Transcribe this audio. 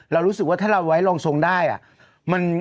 รู้สึกว่าถ้าเราไว้รองทรงได้